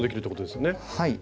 はい。